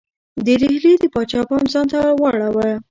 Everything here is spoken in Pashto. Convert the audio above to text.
د ډهلي د پاچا پام ځانته واړاوه.